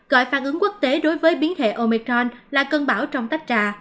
gọi phản ứng quốc tế đối với biến hệ omicron là cơn bão trong tách trà